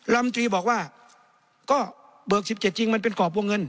ลำตรีบอกว่าก็เบิก๑๗จริงมันเป็นกรอบวงเงิน